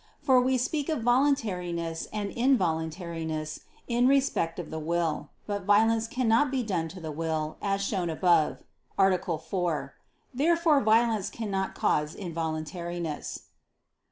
For we speak of voluntariness and involuntariness in respect of the will. But violence cannot be done to the will, as shown above (A. 4). Therefore violence cannot cause involuntariness.